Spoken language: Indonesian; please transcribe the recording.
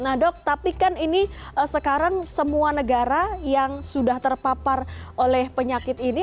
nah dok tapi kan ini sekarang semua negara yang sudah terpapar oleh penyakit ini